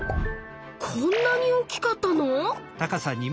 こんなに大きかったの⁉